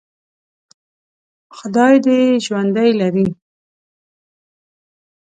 خدای دې یې ژوندي لري.